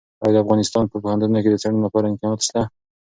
ایا د افغانستان په پوهنتونونو کې د څېړنې لپاره امکانات شته؟